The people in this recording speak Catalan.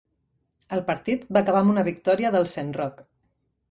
El partit va acabar amb una victòria del Saint Roch.